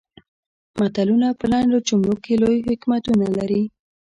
متلونه په لنډو جملو کې لوی حکمتونه لري